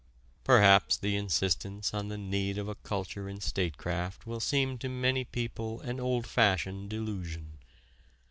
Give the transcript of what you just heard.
Perhaps the insistence on the need of a culture in statecraft will seem to many people an old fashioned delusion.